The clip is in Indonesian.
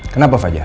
kenapa fajar